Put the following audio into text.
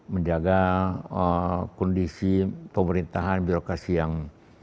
menjaga kondisi pemerintahan birokrasi yang